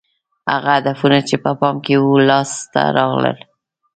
هغه هدفونه چې په پام کې وو لاس ته رانه غلل